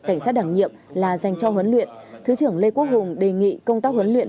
cảnh sát đảm nhiệm là dành cho huấn luyện thứ trưởng lê quốc hùng đề nghị công tác huấn luyện